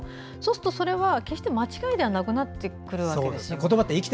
それは決して間違いではなくなってくるわけですよね。